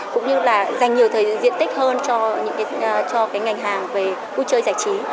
cũng như là dành nhiều thời diện tích hơn cho cái ngành hàng về vui chơi giải trí